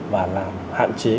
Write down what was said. và làm hạn chế